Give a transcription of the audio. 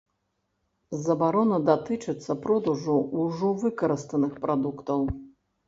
Забарона датычыцца продажу ўжо выкарыстаных прадуктаў.